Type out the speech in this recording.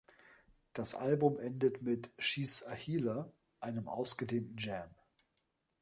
Das Album endet mit „She's a Healer“, einem ausgedehnten Jam.